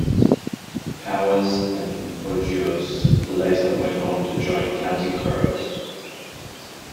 Powers and Bogios later went on to join Counting Crows.